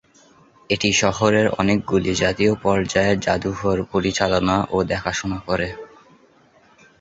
এটি শহরের অনেকগুলি জাতীয় পর্যায়ের জাদুঘর পরিচালনা ও দেখাশোনা করে।